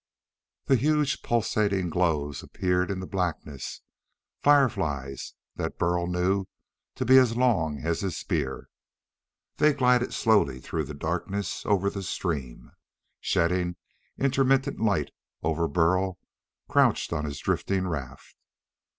Then huge, pulsating glows appeared in the blackness: fireflies that Burl knew to be as long as his spear. They glided slowly through the darkness over the stream, shedding intermittent light over Burl crouched on his drifting raft.